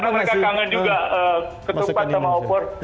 karena mereka kangen juga ketumpan sama opor